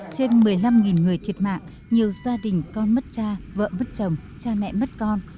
trên một mươi năm người thiệt mạng nhiều gia đình con mất cha vợ mất chồng cha mẹ mất con